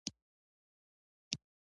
دوی ته مې د ټکټ رانیولو لپاره څه پېسې ورکړې.